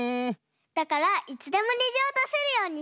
だからいつでもにじをだせるようにしたいんだ。